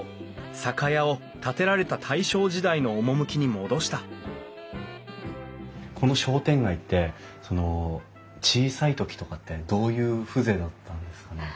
酒屋を建てられた大正時代の趣に戻したこの商店街って小さい時とかってどういう風情だったんですか？